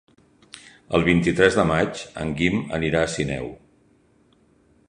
El vint-i-tres de maig en Guim anirà a Sineu.